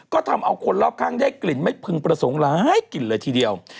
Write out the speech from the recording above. ก็ทำเอาคนรอบข้างได้กลิ่นไม่พึงประสงค์หลายกลิ่นเลยทีเดียว